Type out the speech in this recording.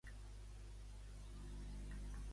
Què va influenciar a Los Carradine?